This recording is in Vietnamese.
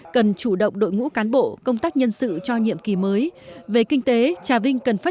cần chủ động đội ngũ cán bộ công tác nhân sự cho nhiệm kỳ mới về kinh tế trà vinh cần phát